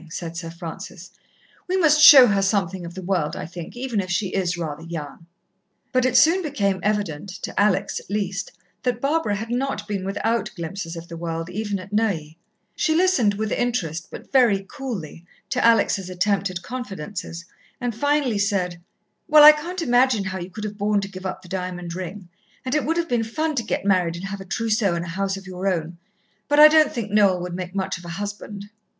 said Sir Francis. "We must show her something of the world, I think, even if she is rather young." But it soon became evident, to Alex, at least, that Barbara had not been without glimpses of the world, even at Neuilly. She listened with interest, but very coolly, to Alex' attempted confidences, and finally said, "Well, I can't imagine how you could have borne to give up the diamond ring, and it would have been fun to get married and have a trousseau and a house of your own. But I don't think Noel would make much of a husband."